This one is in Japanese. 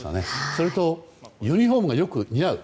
それとユニホームがよく似合う。